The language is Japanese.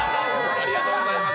ありがとうございます。